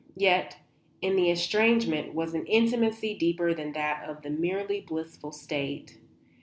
Yet in the estrangement was an intimacy deeper than that of the merely blissful state.